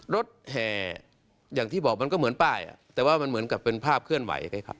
แห่อย่างที่บอกมันก็เหมือนป้ายแต่ว่ามันเหมือนกับเป็นภาพเคลื่อนไหวไงครับ